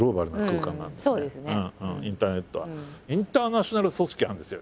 インターナショナル組織はあるんですよ